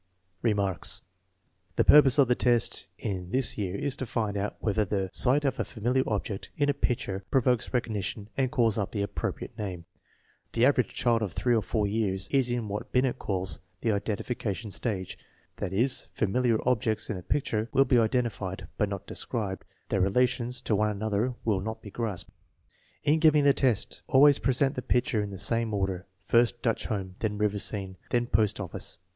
1 Remarks. The purpose of the test in this year is to find out whether the sight of a familiar object in a picture pro vokes recognition and calls up the appropriate name. 2 The average child of 3 or 4 years is in what Binet calls " the identification stage "; that is, familiar objects in a picture will be identified but not described, their relations to one another will not be grasped. In giving the test, always present the pictures in the same order, first Dutch Home, then River Scene, then Post Office.